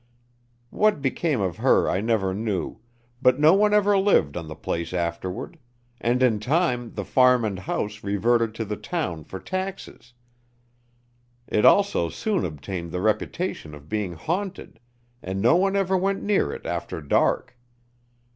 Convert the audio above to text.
What became of her I never knew, but no one ever lived on the place afterward, and in time the farm and house reverted to the town for taxes. It also soon obtained the reputation of being haunted, and no one ever went near it after dark.